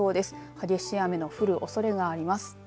激しい雨の降るおそれがあります。